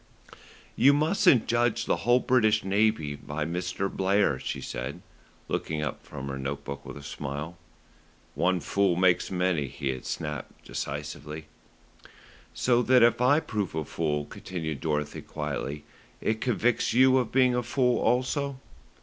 "You mustn't judge the whole British Navy by Mr. Blair," she said, looking up from her note book with a smile. "One fool makes many," he had snapped decisively. "So that if I prove a fool," continued Dorothy quietly, "it convicts you of being a fool also."